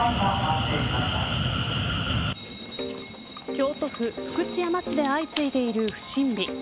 京都府福知山市で相次いでいる不審火。